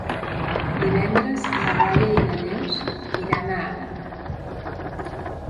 Divendres na Laia i na Neus iran a Anna.